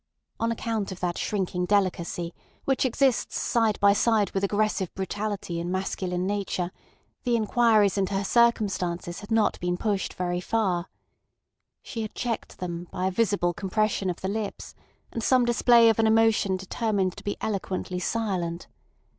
On account of that shrinking delicacy, which exists side by side with aggressive brutality in masculine nature, the inquiries into her circumstances had not been pushed very far. She had checked them by a visible compression of the lips and some display of an emotion determined to be eloquently silent.